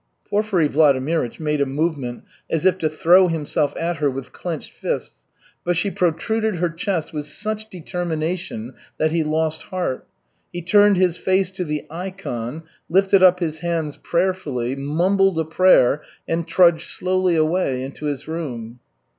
Porfiry Vladimirych made a movement as if to throw himself at her with clenched fists, but she protruded her chest with such determination that he lost heart. He turned his face to the ikon, lifted up his hands prayerfully, mumbled a prayer, and trudged slowly away into his room.